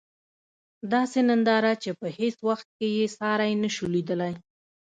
داسې ننداره چې په هیڅ وخت کې یې ساری نشو لېدلی.